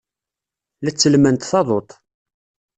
La tellment taḍuft.